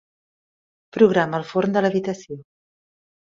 Programa el forn de l'habitació.